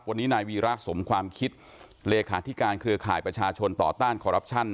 วันนี้นายวีระสมความคิดเลขาธิการเครือข่ายประชาชนต่อต้านคอรัปชั่น